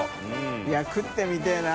いや食ってみてぇな。